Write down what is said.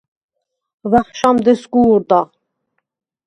ვახშამდ ესგუ̄რდა.